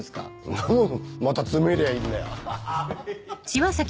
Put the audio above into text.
んなもんまた詰めりゃあいいんだよ。